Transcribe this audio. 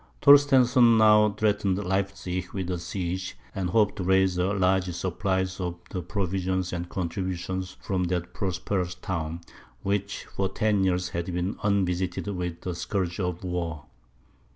Torstensohn now threatened Leipzig with a siege, and hoped to raise a large supply of provisions and contributions from that prosperous town, which for ten years had been unvisited with the scourge of war.